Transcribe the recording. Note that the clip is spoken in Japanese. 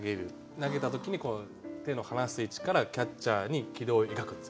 投げた時に手の離す位置からキャッチャーに軌道を描くんですよね。